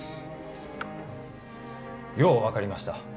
よう分かりました。